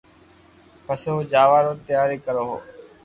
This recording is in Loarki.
پسي او جاوا رو تيارو ڪرو ھي